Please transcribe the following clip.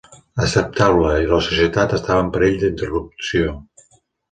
Accepteu-la, i la societat estava en perill d'interrupció.